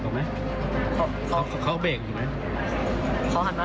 กระตุกเมื่อยครับเหลี่ยมเมื่อยครับ